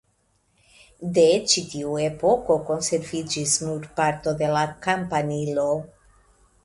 De ĉi tiu epoko konserviĝis nur parto de la kampanilo.